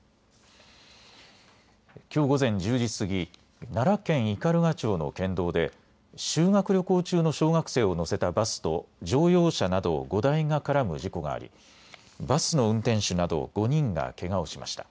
きょう午前１０時過ぎ、奈良県斑鳩町の県道で修学旅行中の小学生を乗せたバスと乗用車など５台が絡む事故がありバスの運転手など５人がけがをしました。